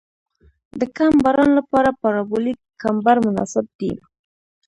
د کم باران لپاره پارابولیک کمبر مناسب دی